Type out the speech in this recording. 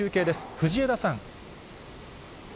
藤枝さん。